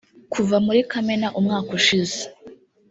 Kuva muri Kamena umwaka ushize